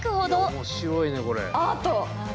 いや面白いねこれ。